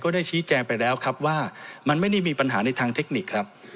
ได้ชี้แจงไปแล้วครับว่ามันไม่ได้มีปัญหาในทางเทคนิคครับ